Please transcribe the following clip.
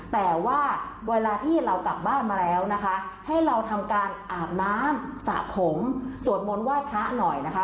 แต่ว่าเวลาที่เรากลับบ้านมาแล้วนะคะให้เราทำการอาบน้ำสระผมสวดมนต์ไหว้พระหน่อยนะคะ